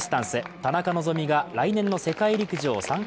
田中希実が来年の世界陸上参加